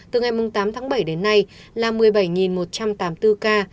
từ ngày tám tháng bảy đến nay là một mươi bảy một trăm tám mươi bốn ca